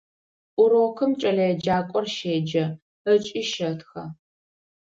Урокым кӏэлэеджакӏор щеджэ ыкӏи щэтхэ.